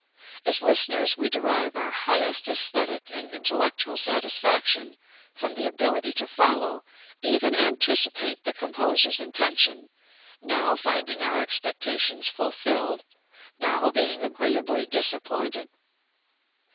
As listeners we derive our highest æsthetic and intellectual satisfaction from the ability to follow, even anticipate, the composer's intention, now finding our expectations fulfilled, now being agreeably disappointed.